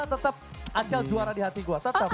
tetep acel juara di hati gue tetep